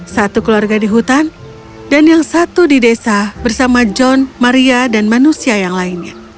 satu keluarga di hutan dan yang satu di desa bersama john maria dan manusia yang lainnya